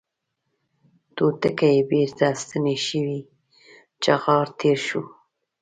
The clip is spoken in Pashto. توتکۍ بیرته ستنې شوې چغار تیر شو